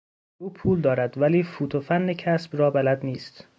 او پول دارد ولی فوت و فن کسب را بلد نیست.